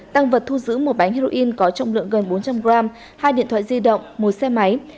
tăng vật thu giữ một bánh heroin có trọng lượng gần bốn trăm linh g hai điện thoại di động một xe máy